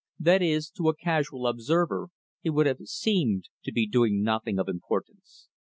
That is, to a casual observer he would have seemed to be doing nothing of importance.